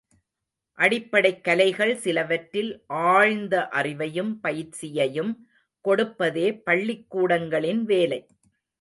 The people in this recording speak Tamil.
அடிப்படைக் கலைகள் சிலவற்றில் ஆழ்ந்த அறிவையும் பயிற்சியையும் கொடுப்பதே பள்ளிக்கூடங்களின் வேலை.